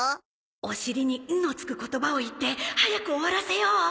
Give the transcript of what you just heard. おしりに「ん」の付く言葉を言って早く終わらせよう